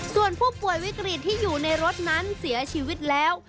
ส่วนผู้ป่วยวิกฤตที่อยู่ในรถนั้นเสียชีวิตแล้ว